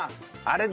あれ？